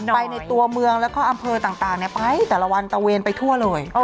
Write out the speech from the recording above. ในตัวเมืองแล้วก็อำเภอต่างไปแต่ละวันตะเวนไปทั่วเลย